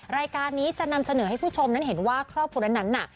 รายการนี้จะนำเสนอให้ผู้ชมนั้นเห็นว่าครอบครัวนั้นน่ะ